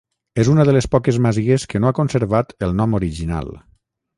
És una de les poques masies que no ha conservat el nom original.